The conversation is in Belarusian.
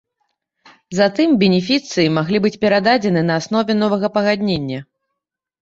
Затым бенефіцыі маглі быць перададзены на аснове новага пагаднення.